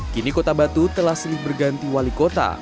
kini kota batu telah selih berganti wali kota